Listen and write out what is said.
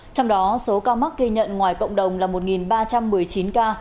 trong đó số ca mắc ghi nhận ngoài cộng đồng là một ba trăm một mươi chín ca